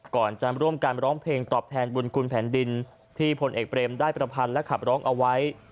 ก่อนจะร่วมกันร้องเพลงตอบแทนบุญคุณแผ่นดินที่พลเอกเบรมได้ประพันธ์และขับร้องเอาไว้